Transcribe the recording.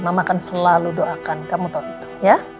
mama akan selalu doakan kamu tahu itu ya